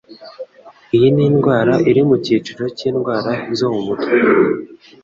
Iyi ni indwara iri mu cyiciro cy'indwara zo mu mutwe.